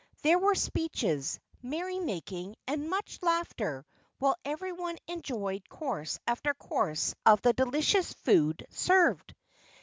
There were speeches, merrymaking and much laughter while everyone enjoyed course after course of the delicious food served.